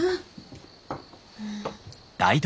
うん。